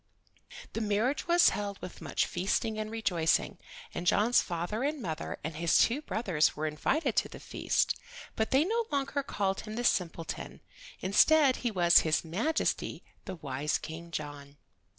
The marriage was held with much feasting and rejoicing, and John's father and mother and his two brothers were invited to the feast. But they no longer called him the simpleton; instead he was His Majesty, the wise King John.